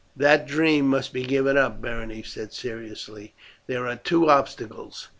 "That dream must be given up," Berenice said seriously, "there are two obstacles.